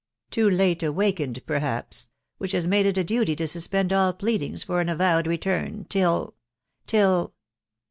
too late awakened perhaps .... which has made it a duty to suspend all pleadings for an avowed return till .... till